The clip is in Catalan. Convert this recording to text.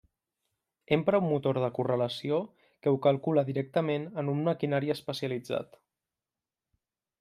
Empra un motor de correlació que ho calcula directament en un maquinari especialitzat.